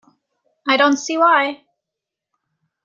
I don't see why.